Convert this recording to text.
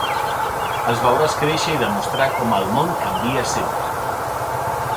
Els veuràs créixer i demostrar com el món canvia sempre.